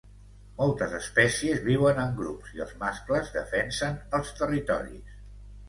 Moltes espècies viuen en grups i els mascles defensen els territoris.